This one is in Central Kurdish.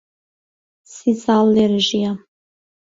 سی ساڵ لێرە ژیام.